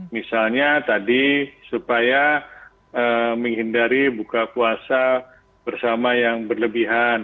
misalnya tadi supaya menghindari buka puasa bersama yang berlebihan